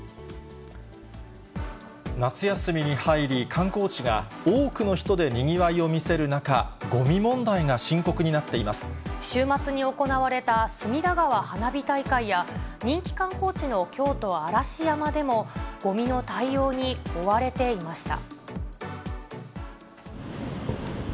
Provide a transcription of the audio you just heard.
夏休みに入り、観光地が多くの人でにぎわいを見せる中、ごみ問題が深刻になって週末に行われた隅田川花火大会や、人気観光地の京都・嵐山でも、ごみの対応に追われていました。